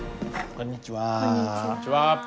こんにちは。